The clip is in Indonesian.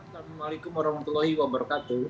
assalamualaikum warahmatullahi wabarakatuh